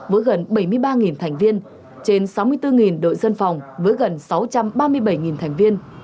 với gần bảy mươi ba thành viên trên sáu mươi bốn đội dân phòng với gần sáu trăm ba mươi bảy thành viên